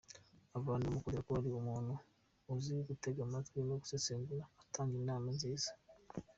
Abantu bamukundira ko ari umuntu uzi gutega amatwi no gusesengura agatanga inama nziza.